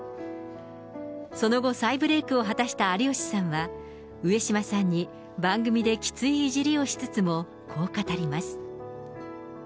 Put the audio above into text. その後、再ブレークを果たした有吉さんは、上島さんに番組できついいじりをしつつも、こう語ります。